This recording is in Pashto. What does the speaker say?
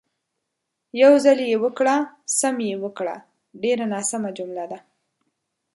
"یو ځل یې وکړه، سم یې وکړه" ډېره ناسمه جمله ده.